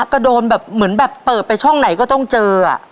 ก็โดนแบบเหมือนแบบเปิดไปช่องไหนก็ต้องเจอ